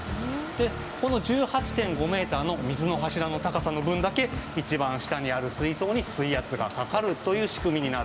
この１８．５ｍの水の柱の高さの分だけ一番下にある水槽に水圧がかかるという仕組みになっているんですね。